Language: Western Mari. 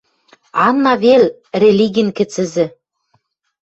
Анна вел — религин кӹцӹзӹ —